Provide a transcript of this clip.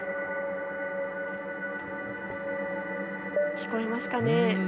聞こえますかね。